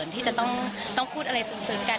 ที่จะต้องพูดอะไรซึ้งกัน